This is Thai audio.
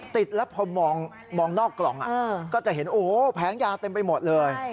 ติดแล้วพอมองนอกกล่องก็จะเห็นโอ้โหแผงยาเต็มไปหมดเลย